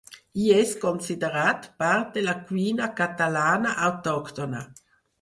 Hi és considerat part de la cuina catalana autòctona.